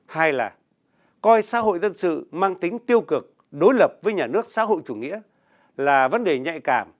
hai là coi xã hội dân sự mang tính tiêu cực đối lập với nhà nước xã hội chủ nghĩa là vấn đề nhạy cảm